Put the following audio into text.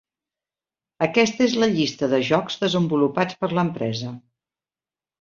Aquesta és la llista de jocs desenvolupats per l'empresa.